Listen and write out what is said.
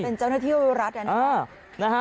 เป็นเจ้าหน้าที่รัฐ